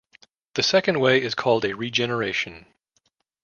The second way is called a regeneration.